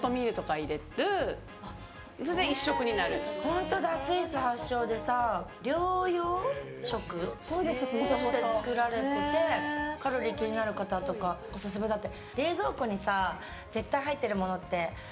本当だ、スイス発祥で療養食として作られていてカロリーが気になる方とかにオススメだって。